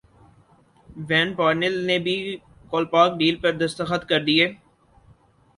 when Parnell نے بھی Kolpak deal پر دستخط کردیے